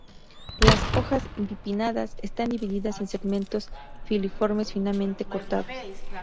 Las hojas bipinnadas están divididas en segmentos filiformes finamente cortados.